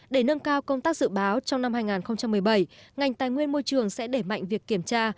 để nâng cao công tác dự báo trong năm hai nghìn một mươi bảy ngành tài nguyên môi trường sẽ đẩy mạnh việc kiểm tra